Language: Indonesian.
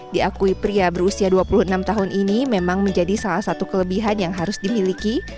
diakui pria berusia dua puluh enam tahun ini memang menjadi salah satu kelebihan yang harus dimiliki